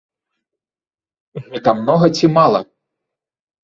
Гэта многа ці мала?